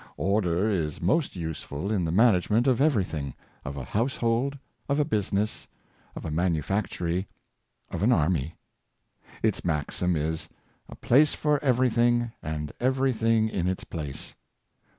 Order is most useful in the management of every thing — of a household, of a business, of a manufactory, of an army. Its maxim is, "A place for every thing, and every thing in its place."